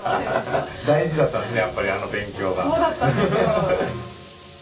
そうだったんですよ。